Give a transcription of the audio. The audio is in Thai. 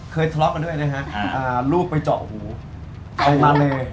ทะเลาะกันด้วยนะฮะลูกไปเจาะหูออกมาเลย